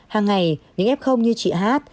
hàng ngày những f như chị hát